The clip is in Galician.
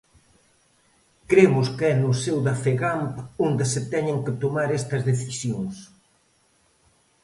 Cremos que é no seo da Fegamp onde se teñen que tomar estas decisións.